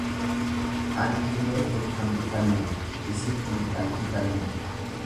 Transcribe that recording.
Ani himee hin hambifanne isin hin qalbeeffanne.